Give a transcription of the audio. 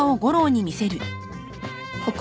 ここ。